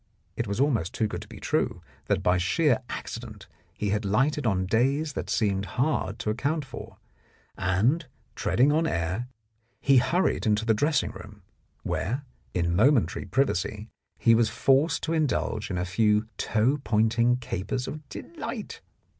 It was almost too good to be true, that by sheer accident he had lighted on days that seemed hard to account for, and, treading on air, he hurried into the dressing room, where, in momentary privacy, he was forced to indulge in a few toe pointing capers of delight.